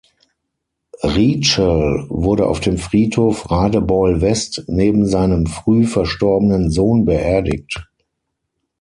Rietschel wurde auf dem Friedhof Radebeul-West neben seinem früh verstorbenen Sohn beerdigt.